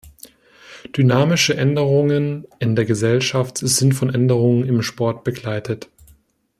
Dynamische Änderungen in der Gesellschaft sind von Änderungen im Sport begleitet.